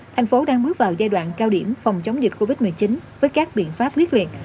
thành phố đang bước vào giai đoạn cao điểm phòng chống dịch covid một mươi chín với các biện pháp quyết liệt